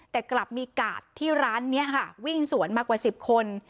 แต่กลับมีกาดที่ร้านนี้ค่ะวิ่งสวนมากว่า๑๐คน